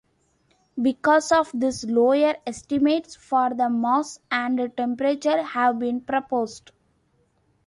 Because of this, lower estimates for the mass and temperature have been proposed.